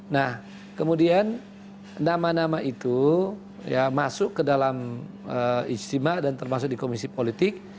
nah kemudian nama nama itu ya masuk ke dalam ijtima dan termasuk di komisi politik